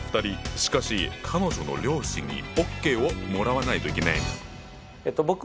しかし彼女の両親にＯＫをもらわないといけない。